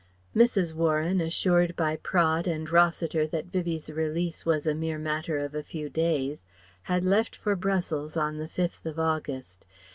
Mrs. Warren, assured by Praed and Rossiter that Vivie's release was a mere matter of a few days, had left for Brussels on the 5th of August.